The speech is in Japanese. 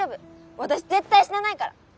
私絶対死なないから！